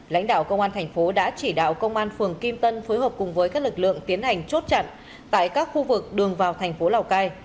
lãnh đạo công an thành phố đã chỉ đạo công an phường kim tân phối hợp cùng với các lực lượng tiến hành chốt chặn tại các khu vực đường vào thành phố lào cai